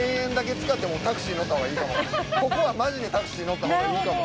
ここはマジでタクシー乗ったほうがいいかも。